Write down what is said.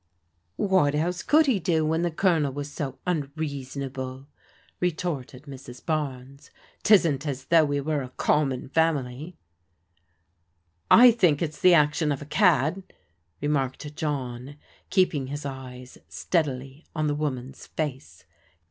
*' What else could he do when the Colonel was so un reasonable?" retorted Mrs. Barnes. " 'Tisn't as though we were a common family." " I think it the action of a cad," remarked John, keep ing his eyes steadily on the woman's face.